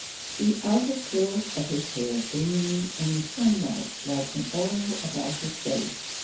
The outer curls of his hair gleamed in the sunlight like an aureole about his face.